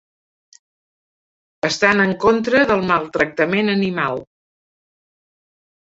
Estan en contra del maltractament animal.